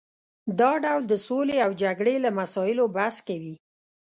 دا ډول د سولې او جګړې له مسایلو بحث کوي